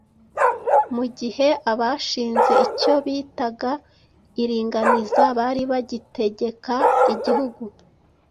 mu gihe abashinze icyo bitaga iringaniza bari bagitegeka igihugu.